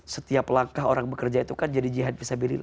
setiap langkah orang bekerja itu kan jadi jihad disabilitas